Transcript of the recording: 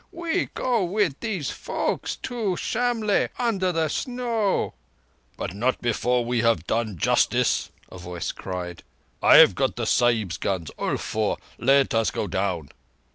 We go with these folk to Shamlegh under the Snow." "But not before we have done justice," a voice cried. "I have got the Sahibs' guns—all four. Let us go down."